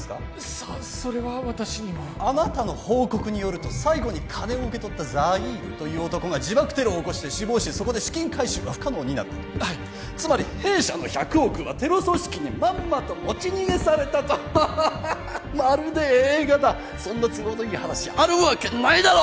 さあそれは私にもあなたの報告によると最後に金を受け取ったザイールという男が自爆テロを起こして死亡しそこで資金回収が不可能になったとはいつまり弊社の１００億はテロ組織にまんまと持ち逃げされたとハハハハまるで映画だそんな都合のいい話あるわけないだろ！